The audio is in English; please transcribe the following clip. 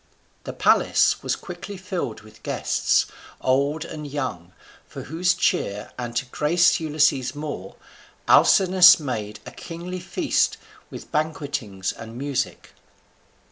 The palace was quickly filled with guests, old and young, for whose cheer, and to grace Ulysses more, Alcinous made a kingly feast with banquetings and music.